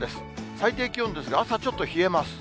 最低気温ですが、朝ちょっと冷えます。